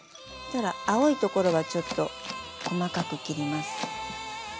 青いところはちょっと細かく切ります。